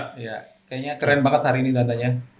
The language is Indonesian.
kayaknya keren banget hari ini datanya